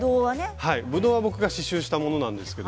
ぶどうは僕が刺しゅうしたものです。